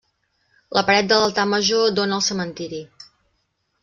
La paret de l'altar major dóna al cementiri.